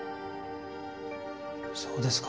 そうですか。